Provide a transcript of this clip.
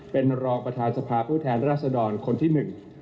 เป็นรองประธานสภาผู้แทนราษดรคนที่หนึ่ง